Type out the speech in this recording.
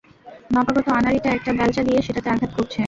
নবাগত আনাড়িটা একটা বেলচা দিয়ে সেটাতে আঘাত করছে।